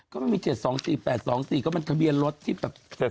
ก็มันมี๗๒๔๘๒๔ก็มันทะเบียนรถที่แบบ